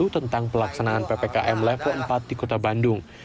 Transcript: tentang pelaksanaan ppkm level empat di kota bandung